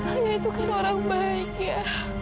ayah itu kan orang baik ya